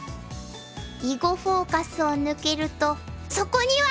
「囲碁フォーカス」を抜けるとそこにはコモク！